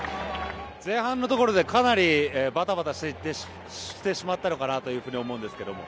前半のところでかなりバタバタしてしまったのかなと思うんですけども。